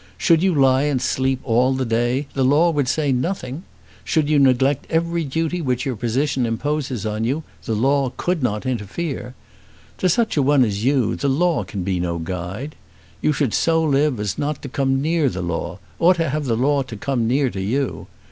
Should you lie and sleep all the day, the law would say nothing! Should you neglect every duty which your position imposes on you, the law could not interfere! To such a one as you the law can be no guide. You should so live as not to come near the law, or to have the law to come near to you.